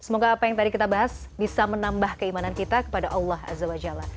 semoga apa yang tadi kita bahas bisa menambah keimanan kita kepada allah azza wa jalla